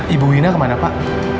ibu wina kemana pak